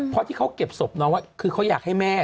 เพราะที่เขาเก็บศพน้องคือเขาอยากให้แม่